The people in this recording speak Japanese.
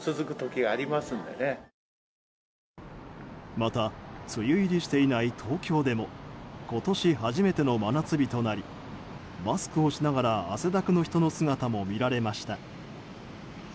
また、梅雨入りしていない東京でも今年初めての真夏日となりマスクをしながら汗だくの人の姿も見られました。